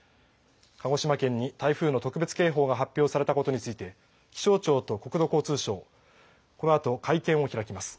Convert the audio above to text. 鹿児島県に台風の特別警報が発表されたことについて気象庁と国土交通省はこのあと会見を開きます。